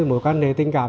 một quan hệ tình cảm